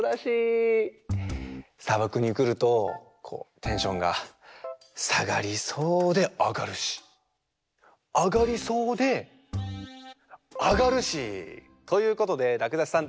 さばくにくるとこうテンションがさがりそうであがるしあがりそうであがるし。ということでらくだしさん